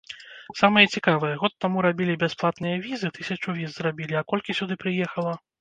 Самае цікавае, год таму рабілі бясплатныя візы, тысячу віз зрабілі, а колькі сюды прыехала?